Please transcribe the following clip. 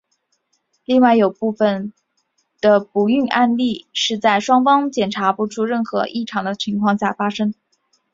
另外有一部分的不孕案例是在双方检查不出任何异常的状况下发生。